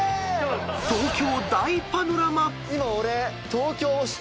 ［東京大パノラマ］